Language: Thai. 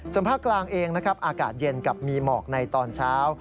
ส่วนภาคกลางเองนะครับอากาศเย็นกับมีหมอกในตอนเช้า